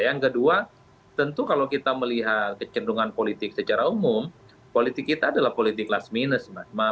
yang kedua tentu kalau kita melihat kecendungan politik secara umum politik kita adalah politik last minus